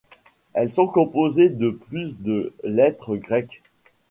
Elles sont composées de plus de lettres grecques.